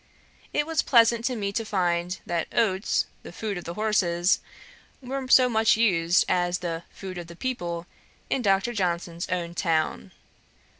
It was pleasant to me to find, that Oats, the food of horses, were so much used as the food of the people in Dr. Johnson's own town.